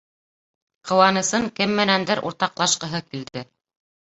Ҡыуанысын кем менәндер уртаҡлашҡыһы килде.